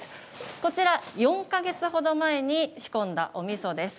こちら、４か月ほど前に仕込んだおみそです。